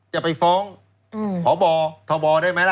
จะไปฟ้องฑบ